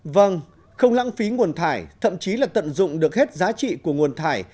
vâng không lãng phí nguồn thải thậm chí là tận dụng được hết giá trị của nguồn thải